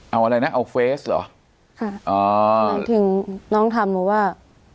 เอาอะไรนะเอาเฟสเหรอค่ะถึงน้องถามมาว่า